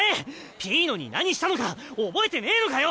ピーノに何したのか覚えてねえのかよ！